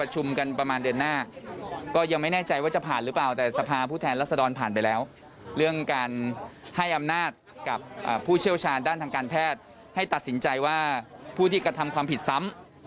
หรือว่าผู้ที่กระทำความผิดซ้ำ